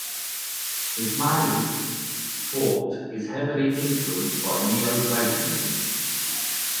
Ismaili thought is heavily influenced by neoplatonism.